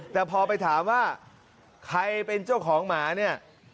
แต่พอไปถามว่าใครเป็นเจ้าของหมาเนี่ย